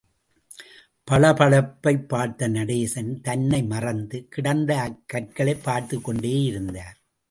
பளபளப்பைப் பார்த்த நடேசன், தன்னை மறந்து, கிடந்த அக்கற்களைப் பார்த்துக் கொண்டேயிருந்தார்.